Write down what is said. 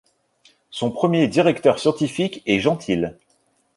Son premier directeur scientifique est Gentile.